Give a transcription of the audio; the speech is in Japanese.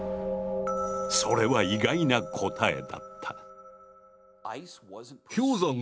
それは意外な答えだった。